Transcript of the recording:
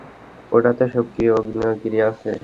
ওটাতে সক্রিয় আগ্নেয়গিরি আছে।